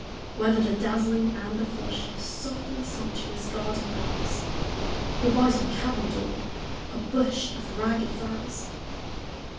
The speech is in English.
Whether the dazzling and the flush Of softly sumptuous garden bowers, Or by some cabin door, a bush Of ragged flowers.